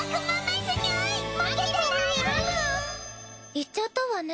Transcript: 行っちゃったわね。